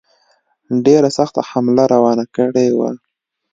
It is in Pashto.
ډېره سخته حمله روانه کړې وه.